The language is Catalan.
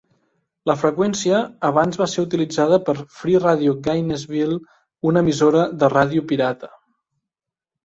La freqüència abans va ser utilitzada per "Free Radio Gainesville", una emissora de ràdio pirata.